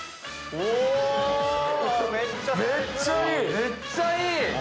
めっちゃいい！